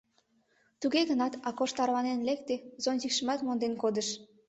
Туге гынат, Акош тарванен лекте, зонтикшымат монден кодыш.